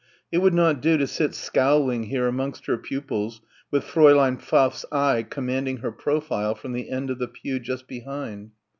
It would not do to sit scowling here amongst her pupils with Fräulein Pfaff's eye commanding her profile from the end of the pew just behind....